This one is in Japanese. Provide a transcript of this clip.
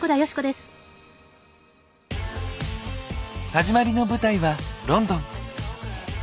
始まりの舞台はロンドン。